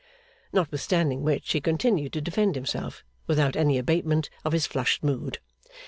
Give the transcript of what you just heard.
Notwithstanding which, he continued to defend himself, without any abatement of his flushed mood.